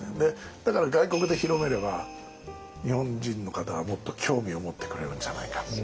だから外国で広めれば日本人の方はもっと興味を持ってくれるんじゃないか。